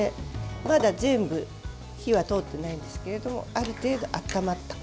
まだ全部火は通っていないですけれどある程度、温まった。